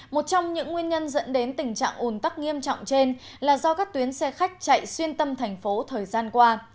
một trong những nguyên nhân dẫn đến tình trạng ủn tắc nghiêm trọng trên là do các tuyến xe khách chạy xuyên tâm thành phố thời gian qua